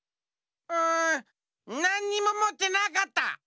うんなんにももってなかった！